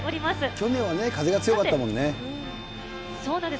去年は風が強かったもんね。